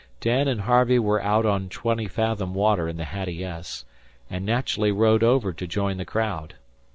Dan and Harvey were out on twenty fathom water in the Hattie S., and naturally rowed over to join the crowd.